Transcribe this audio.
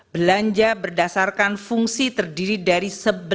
belanja berdasarkan fungsi terdiri dari sebelas